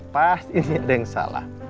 pasti ada yang salah